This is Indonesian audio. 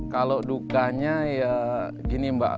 kalau dukanya ya gini mbak